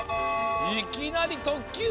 いきなりとっきゅう！